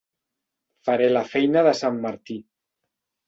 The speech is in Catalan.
Faré la feina de sant Martí.